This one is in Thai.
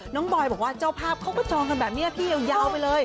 บอยบอกว่าเจ้าภาพเขาก็จองกันแบบนี้พี่ยาวไปเลย